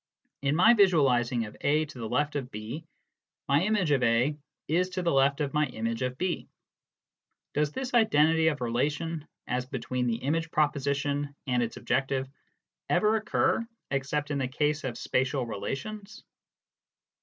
In my visualising of A to the left of B, my image of A is to the left of my image of B. Does this identity of relation, as between the image proposition and its objective, ever occur except in the case of spatial relations